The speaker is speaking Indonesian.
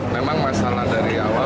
memang masalah dari awal